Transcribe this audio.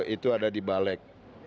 itu ada di balik